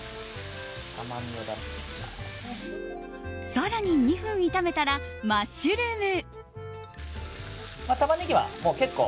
更に２分炒めたらマッシュルーム。